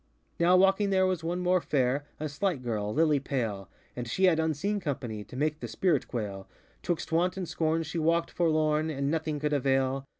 Now walking there was one more fairŌĆö A slight girl, lily pale; And she had unseen company To make the spirit quailŌĆö ŌĆÖTwixt Want and Scorn she walkŌĆÖd forlorn, And nothing could avail.